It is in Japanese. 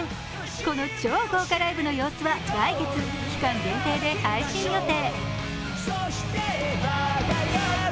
この超豪華ライブの様子は来月、期間限定で配信予定。